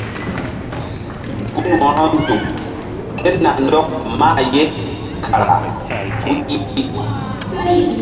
Gun wo̧ronzuk ké na ndɔk mah ye kara ku i pi.